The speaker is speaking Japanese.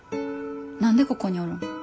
何でここにおるん？